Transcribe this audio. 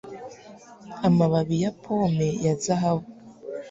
Amababi ya pome ya zahabu